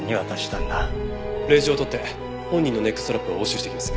令状を取って本人のネックストラップを押収してきます。